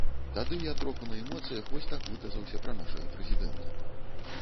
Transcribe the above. Тады я троху на эмоцыях вось так выказаўся пра нашага прэзідэнта.